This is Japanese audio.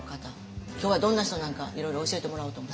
今日はどんな人なんかいろいろ教えてもらおうと思って。